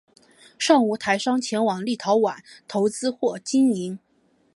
尚无台商前往立陶宛投资或经营。